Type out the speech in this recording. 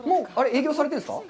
営業されてるんですか？